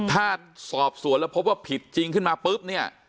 ถ้าสอบสวนแล้วพบว่าผิดจริงขึ้นมาปุ๊บเนี่ย